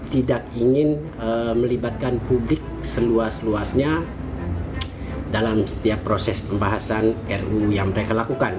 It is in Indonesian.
tidak ingin melibatkan publik seluas luasnya dalam setiap proses pembahasan ruu yang mereka lakukan